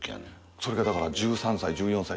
それがだから１３歳１４歳。